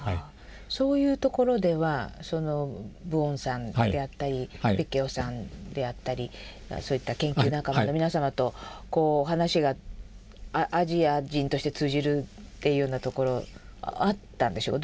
そういうところではプオンさんであったりピッ・ケオさんであったりそういった研究仲間の皆様と話がアジア人として通じるっていうようなところあったんでしょうか？